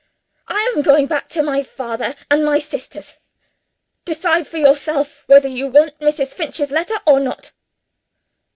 I am going back to my father and my sisters. Decide for yourself whether you want Mrs. Finch's letter or not."